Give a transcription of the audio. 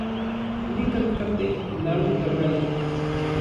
Nikan katej naui tamali.